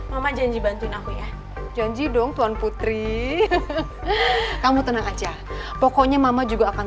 mama janji bantuin aku ya janji dong tuan putri kamu tenang aja pokoknya mama juga akan